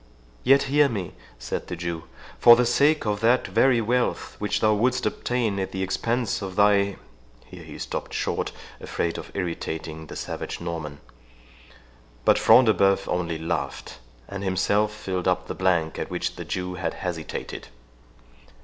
"Yet hear me," said the Jew—"for the sake of that very wealth which thou wouldst obtain at the expense of thy— " Here he stopt short, afraid of irritating the savage Norman. But Front de Bœuf only laughed, and himself filled up the blank at which the Jew had hesitated.